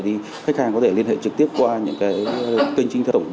thì khách hàng có thể liên hệ trực tiếp qua những cái kênh chính thống